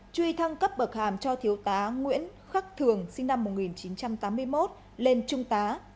truy thăng cấp bậc hàm cho thiếu tá nguyễn khắc thường sinh năm một nghìn chín trăm tám mươi một lên trung tá